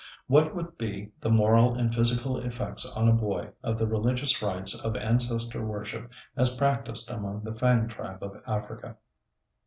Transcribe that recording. What would be the moral and physical effects on a boy, of the religious rites of ancestor worship as practiced among the Fang tribe of Africa?